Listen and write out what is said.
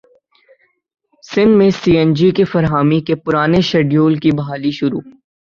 سندھ میں C N G کی فراہمی کے پرانے شیڈول کی بحالی شروع